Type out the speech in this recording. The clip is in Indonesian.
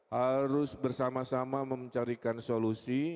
harus bersama sama mencarikan solusi